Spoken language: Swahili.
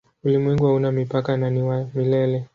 Ulimwengu hauna mipaka na ni wa milele.